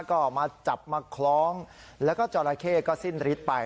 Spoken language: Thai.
ก็มาจับมาคล้องแล้วก็จราเข้ก็สิ้นฤทธิ์ไป